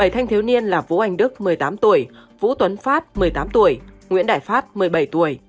bảy thanh thiếu niên là vũ anh đức một mươi tám tuổi vũ tuấn phát một mươi tám tuổi nguyễn đại phát một mươi bảy tuổi